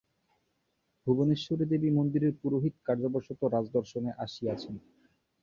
ভুবনেশ্বরী-দেবী-মন্দিরের পুরোহিত কার্যবশত রাজদর্শনে আসিয়াছেন।